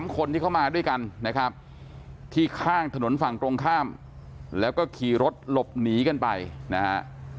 คนที่เข้ามาด้วยกันนะครับที่ข้างถนนฝั่งตรงข้ามแล้วก็ขี่รถหลบหนีกันไปนะฮะ